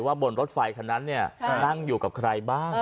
บนรถไฟคันนั้นนั่งอยู่กับใครบ้าง